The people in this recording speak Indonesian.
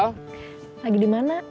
lagi di mana